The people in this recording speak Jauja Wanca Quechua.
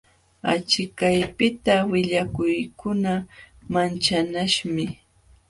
Achikaypiqta willakuykuna manchanaśhmi.